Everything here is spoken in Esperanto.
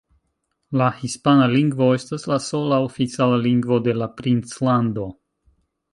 La hispana lingvo estas la sola oficiala lingvo de la Princlando.